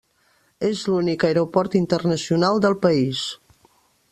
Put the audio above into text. És l'únic aeroport internacional del país.